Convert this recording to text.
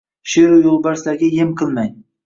Sheru yo’lbarslarga yem qilmang.